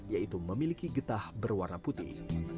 yaitu memiliki getah berwarna putih